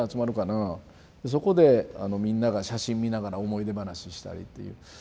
そこでみんなが写真見ながら思い出話したりっていう。